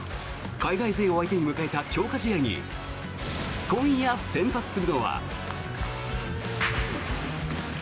海外勢を相手に迎えた強化試合に今夜先発するのは。